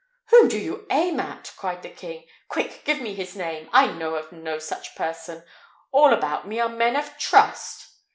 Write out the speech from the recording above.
"Whom do you aim at?" cried the king. "Quick! give me his name. I know of no such person. All about me are men of trust."